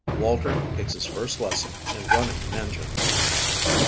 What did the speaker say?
WALTER TAKES HIS FIRST LESSON IN RUNNING AN ENGINE.